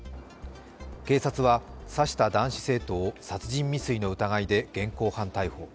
警察は刺した男子生徒を殺人未遂の疑いで現行犯逮捕。